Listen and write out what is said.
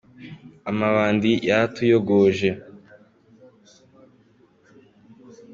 Amabandi yaratuyogoje.